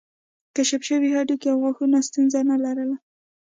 کشف شوي هډوکي او غاښونه ستونزه نه لرله.